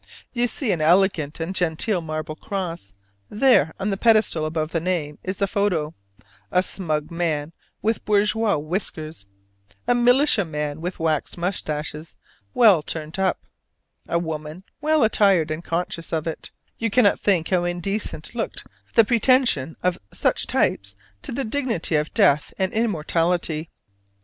You see an elegant and genteel marble cross: there on the pedestal above the name is the photo: a smug man with bourgeois whiskers, a militiaman with waxed mustaches well turned up, a woman well attired and conscious of it: you cannot think how indecent looked the pretension of such types to the dignity of death and immortality.